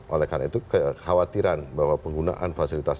oleh karena itu kekhawatiran bahwa penggunaan fasilitas